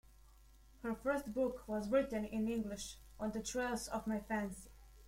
Her first book was written in English: On the Trails of my Fancy.